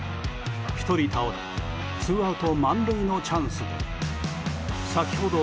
１人倒れツーアウト満塁のチャンスで先ほど